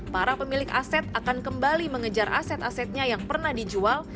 para pemilik aset akan kembali mengejar aset asetnya yang pernah dijual